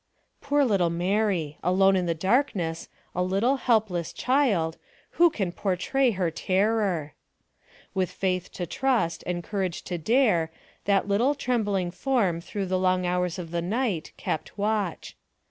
Poor little Mary! alone in the wilderness, a little, helpless child ; who can portray her terror ! With faith to trust, and courage to dare, that little, trembling form through the long hours of the night kept watch.